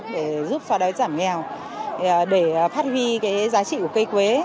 để giúp phá đối giảm nghèo để phát huy giá trị của cây quế